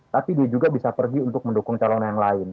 tapi dia juga bisa pergi untuk mendukung calon yang lain